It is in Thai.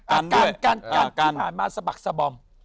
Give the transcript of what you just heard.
กันด้วยอ่ากันที่ผ่านมาสบักสบม